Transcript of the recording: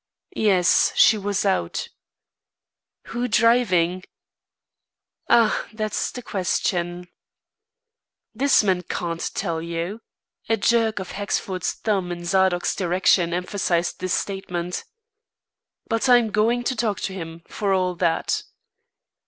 "Yes, she was out." "Who driving?" "Ah, that's the question!" "This man can't tell you." A jerk of Hexford's thumb in Zadok's direction emphasised this statement. "But I'm going to talk to him, for all that."